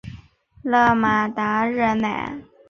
勒马达热奈。